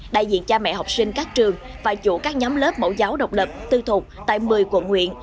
đại diện cha mẹ học sinh các trường và chủ các nhóm lớp mẫu giáo độc lập tư thuộc tại một mươi quận huyện